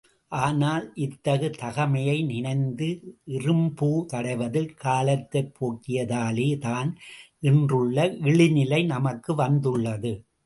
ஆனால் இத்தகு தகைமையை நினைந்து இறும்பூ தடைவதில் காலத்தைப் போக்கியதாலே தான் இன்றுள்ள இழிநிலை நமக்கு வந்துள்ளது.